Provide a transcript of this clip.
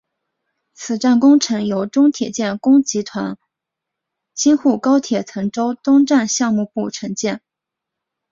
此站工程由中铁建工集团京沪高铁滕州东站项目部承建。